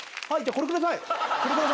これください！